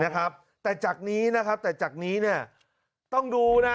นะฮะแต่จากนี้นะครับแต่จากที่นี้ต้องดูนะ